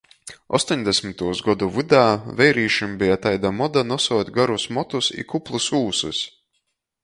Ostoņdesmitūs godu vydā veirīšim beja taida moda nosuot garus motus i kuplys ūsys.